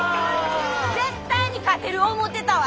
絶対に勝てる思うてたわ！